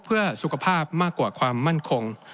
เพื่อสุขภาพมากกว่าความมั่นคง